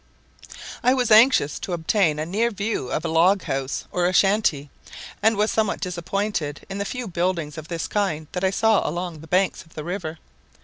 I was anxious to obtain a near view of a log house or a shanty, and was somewhat disappointed in the few buildings of this kind that I saw along the banks of the river.